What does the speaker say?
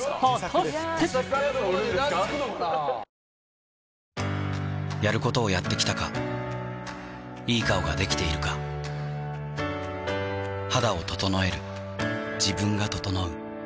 よろしくお願いしやることをやってきたかいい顔ができているか肌を整える自分が整う